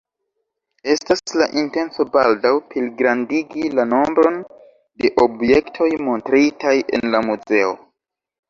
Estas la intenco baldaŭ pligrandigi la nombron de objektoj montritaj en la muzeo.